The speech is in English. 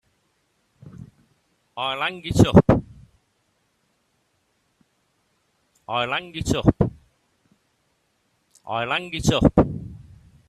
I'll hang it up.